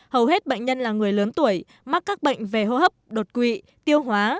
hầu hết bệnh nhân là người lớn tuổi mắc các bệnh về hô hấp đột quỵ tiêu hóa